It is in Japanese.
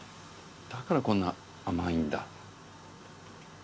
だからこんな甘いんだ。